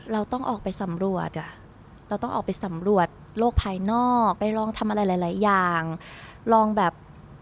เราต้องออกไปสำรวจอ่ะเราต้องออกไปสำรวจโลกภายนอกไปลองทำอะไรหลายอย่างลองแบบ